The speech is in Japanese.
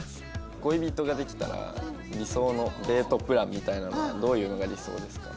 恋人ができたら理想のデートプランみたいなのはどういうのが理想ですか？